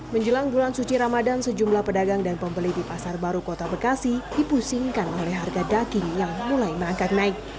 menjelang bulan suci ramadan sejumlah pedagang dan pembeli di pasar baru kota bekasi dipusingkan oleh harga daging yang mulai mengangkat naik